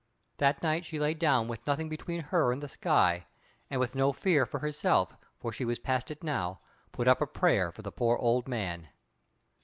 That night she lay down with nothing between her and the sky, and, with no fear for herself, for she was past it now, put up a prayer for the poor old man.